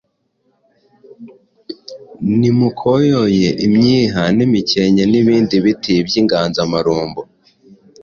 nimikoyoyo, imyiha n’imikenke n’ibindi biti by’inganzamarumbu.